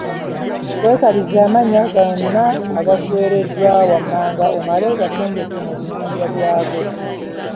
Weekalirize amannya gano agakuweereddwa wammanga omale ogasengeke mu bibinja byago.